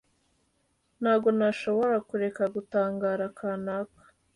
ntabwo nashoboye kureka gutangara, kanaka